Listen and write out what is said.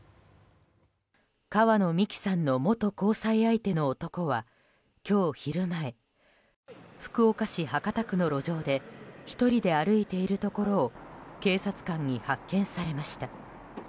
川野美樹さんの元交際相手の男は今日昼前、福岡市博多区の路上で１人で歩いているところを警察官に発見されました。